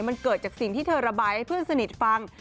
มันเกิดจากสิ่งที่เธอระบายให้เพื่อนสนิทฟัง